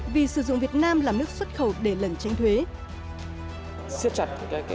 vì sử dụng việt nam làm nước xuất khẩu để lần tránh thuế